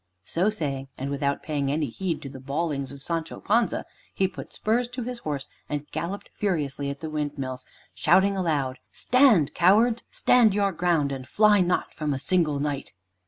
So saying, and without paying any heed to the bawlings of Sancho Panza, he put spurs to his horse and galloped furiously at the windmills, shouting aloud, "Stand, cowards! stand your ground, and fly not from a single Knight."